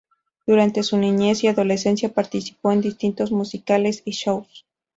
Durante su niñez y adolescencia participó en distintos musicales y shows.